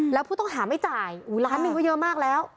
แล้วผู้ต้องหาไม่จ่ายล้านหนึ่งก็เยอะมากแล้ว